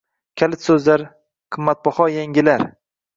Kalit so'zlar: qimmatbaho yangilar